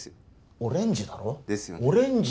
オレンジだろですよね